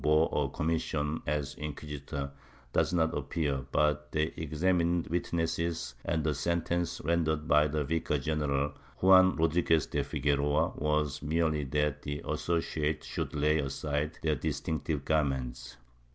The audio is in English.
V] PERVADING SUSPICION 16 commission as inquisitor, does not appear, but they examined witnesses and the sentence rendered by the Vicar general, Juan Rodriguez de Figueroa, was merely that the associates should lay aside their distinctive garments.